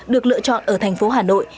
được lựa chọn ở thành phố hà nội